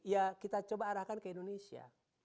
ya kita coba arahkan ke indonesia